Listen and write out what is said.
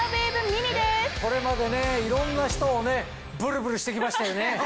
これまでいろんな人をブルブルして来ましたよね。